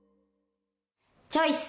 チョイス！